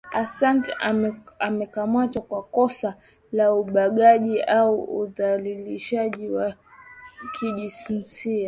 asanch amekamatwa kwa kosa la ubakaji na udhalilishaji wa kijinsia